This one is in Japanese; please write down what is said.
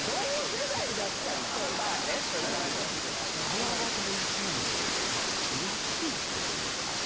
川端康成と噂になったというか。